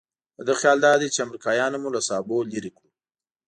د ده خیال دادی چې امریکایانو مو له سابو لرې کړو.